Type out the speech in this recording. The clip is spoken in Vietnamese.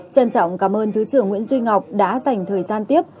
trân trọng cảm ơn thứ trưởng nguyễn duy ngọc đã dành thời gian tiếp